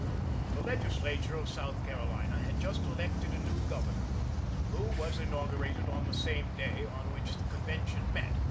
The Legislature of South Carolina had just elected a new governor, who was inaugurated on the same day on which the convention met.